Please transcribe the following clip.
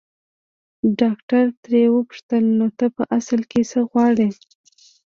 ډاکټر ترې وپوښتل نو ته په اصل کې څه غواړې.